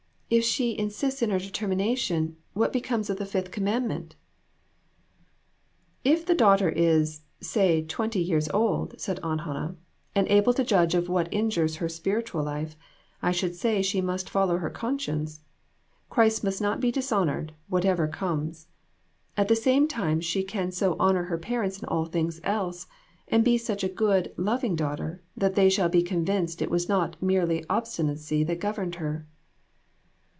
If she persist in AN EVENTFUL AFTERNOON. 299 her determination, what becomes of the Fifth Commandment ?" "If the daughter is, say twenty years old," said Aunt Hannah, "and able to judge of what injures her spiritual life, I should say she must follow her conscience. Christ must not be dis honored, whatever comes. At the same time she can so honor her parents in all things else, and be such a good, loving daughter, that they shall be convinced it was not mere obstinacy that governed her."